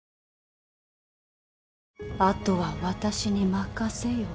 あとは私に任せよ。